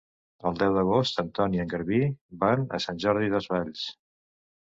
El deu d'agost en Ton i en Garbí van a Sant Jordi Desvalls.